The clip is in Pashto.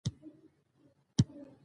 یو لفظ پکښې کرم